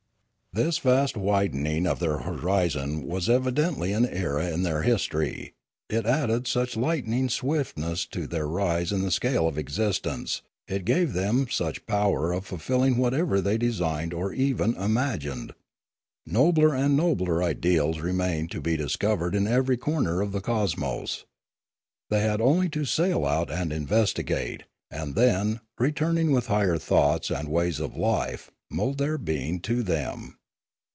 This vast widening of their horizon was evidently an era in their history, it added such lightning swift ness to their rise in the scale of existence, it gave them such power of fulfilling whatever they designed or even imagined. Nobler and nobler ideals remained to be discovered in every corner of the cosmos. They had only to sail out and investigate,. and then, return ing with higher thoughts and ways of life, mould their being to them.